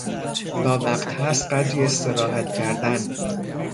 تا وقت هست قدری استراحت کردن